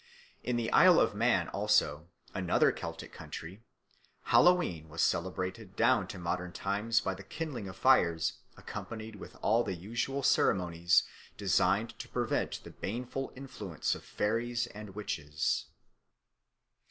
In the Isle of Man also, another Celtic country, Hallowe'en was celebrated down to modern times by the kindling of fires, accompanied with all the usual ceremonies designed to prevent the baneful influence of fairies and witches.